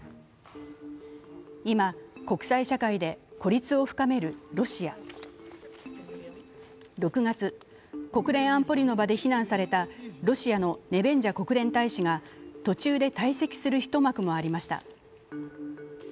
今、国際社会で孤立を深めるロシア６月、国連安保理の場で非難されたロシアのネベンジャ国連大使が途中で退席する一幕もありました。